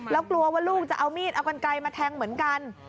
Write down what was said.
แล้วกลัวว่าลูกจะเอามีดเอากันไกลมาแทงเหมือนกัน